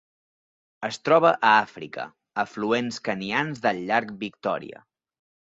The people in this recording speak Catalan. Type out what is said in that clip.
Es troba a Àfrica: afluents kenyans del llac Victòria.